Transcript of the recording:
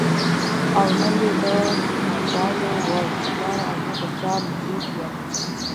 او نۀ ئې د فالوورز د پاره او نۀ د چا مريد يم